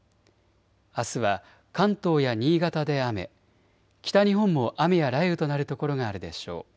あすは関東や新潟で雨、北日本も雨や雷雨となる所があるでしょう。